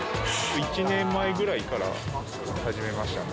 １年前ぐらいから始めました。